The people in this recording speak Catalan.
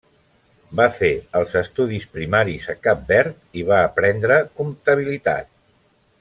Va fer els estudis primaris a Cap Verd i va aprendre comptabilitat.